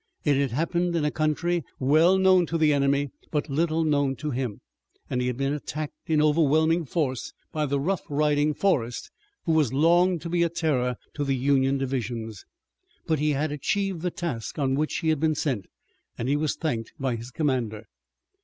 It had happened in a country well known to the enemy and but little known to him, and he had been attacked in overwhelming force by the rough riding Forrest, who was long to be a terror to the Union divisions. But he had achieved the task on which he had been sent, and he was thanked by his commander.